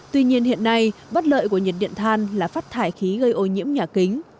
tuy nhiên hiện nay bất lợi của nhiệt điện than là phát thải khí gây ô nhiễm nhà kính